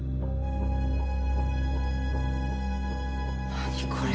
☎何これ？